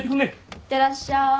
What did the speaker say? いってらっしゃい。